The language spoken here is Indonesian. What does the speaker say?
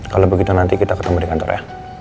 kalau begitu nanti kita ketemu di kantor ya